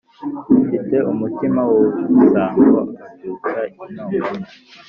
ufite umutima w’ubusambo abyutsa intonganya